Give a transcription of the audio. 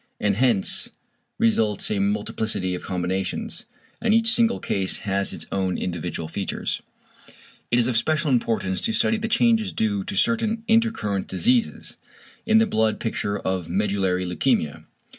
And hence results a multiplicity of combinations, and each single case has its own individual features. It is of special importance to study the changes due to certain intercurrent diseases in the blood picture of medullary leukæmia.